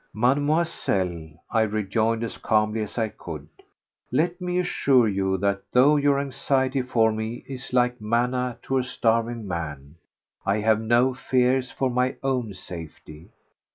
"Mademoiselle," I rejoined as calmly as I could, "let me assure you that though your anxiety for me is like manna to a starving man, I have no fears for my own safety.